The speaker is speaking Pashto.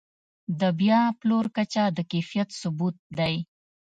د بیا پلور کچه د کیفیت ثبوت دی.